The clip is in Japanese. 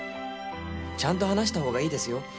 ちゃんと話した方がいいですよ